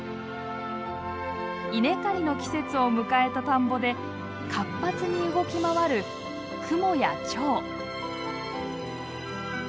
稲刈りの季節を迎えた田んぼで活発に動き回るクモやチョウ。